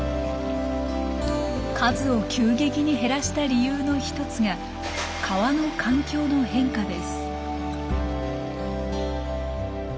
数を急激に減らした理由の一つが川の環境の変化です。